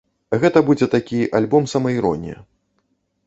Гэта будзе такі альбом-самаіронія.